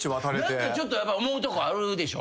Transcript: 何かちょっと思うとこあるでしょ？